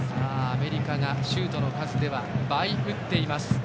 アメリカがシュートの数では倍打っています。